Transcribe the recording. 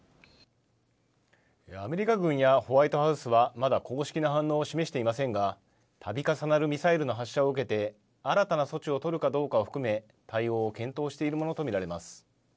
アメリカ軍やホワイトハウスは、まだ公式な反応を示していませんが、たび重なるミサイルの発射を受けて、新たな措置を取るかどうかを含め、対応を検討しているものと見られます。